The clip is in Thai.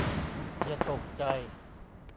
อย่าตกใจ